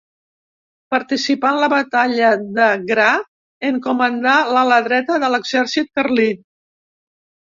Participà en la batalla de Gra en comandar l'ala dreta de l'exèrcit carlí.